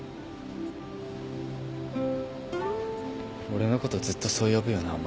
俺のことずっとそう呼ぶよなお